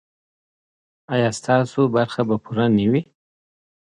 ایا ستاسو برخه به پوره نه وي؟